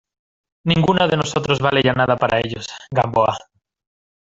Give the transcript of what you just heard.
ninguno de nosotros vale ya nada para ellos, Gamboa.